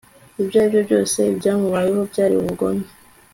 Ibyo ari byo byose ibyamubayeho byari ubugome